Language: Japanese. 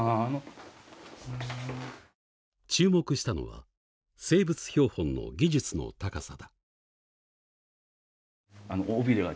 注目したのは生物標本の技術の高さだ。